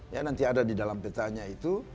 ya nanti ada di dalam petanya itu